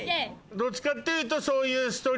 どっちかっていうとそういう。